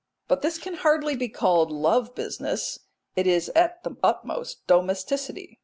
But this can hardly be called love business; it is at the utmost domesticity.